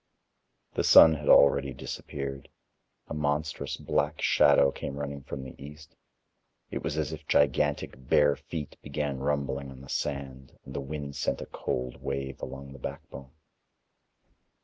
The sun had already disappeared, a monstrous black shadow came running from the east it was as if gigantic bare feet began rumbling on the sand, and the wind sent a cold wave along the backbone.